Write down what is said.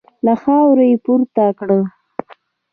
له خاورو يې پورته کړه.